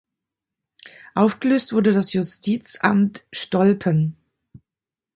Aufgelöst wurde das Justizamt Stolpen.